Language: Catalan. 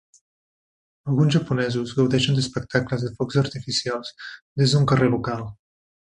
Alguns japonesos gaudeixen d'espectacles de focs artificials des d'un carrer local